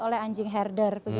oleh anjing herder